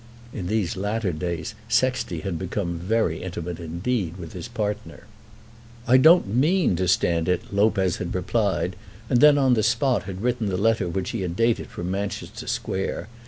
In these latter days Sexty had become very intimate indeed with his partner. "I don't mean to stand it," Lopez had replied, and then on the spot had written the letter which he had dated from Manchester Square.